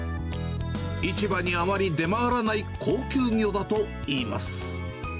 市場にあまり出回らない高級魚だといいます。